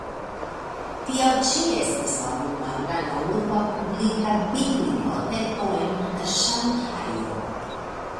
Tio ĉi estis la unua granda urba publika biblioteko en Ŝanhajo.